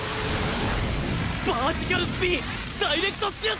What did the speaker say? バーティカル・スピンダイレクトシュート！